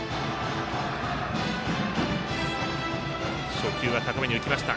初球は高めに浮きました。